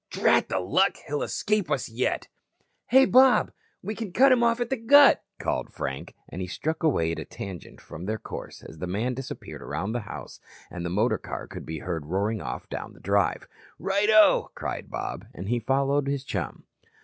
"Drat the luck, he'll escape us yet." "Hey, Bob, we can cut 'em off at the Gut," called Frank, and he struck away at a tangent from their course as the man disappeared around the house and the motor car could be heard roaring off down the drive. "Righto," cried Bob, and he followed his chum.